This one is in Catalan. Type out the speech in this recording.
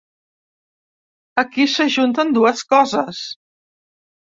Aquí s’ajunten dues coses.